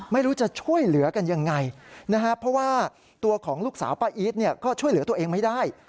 ไม่รู้จะช่วยเหลือกันยังไงนะครับเพราะว่าตัวของลูกสาวป้าอีทก็ช่วยเหลือตัวเองไม่ได้